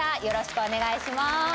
よろしくお願いします。